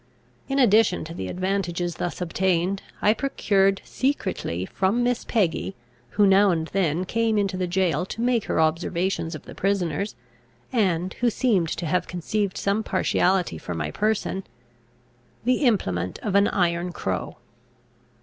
In addition to the advantages thus obtained, I procured secretly from Miss Peggy, who now and then came into the jail to make her observations of the prisoners, and who seemed to have conceived some partiality for my person, the implement of an iron crow.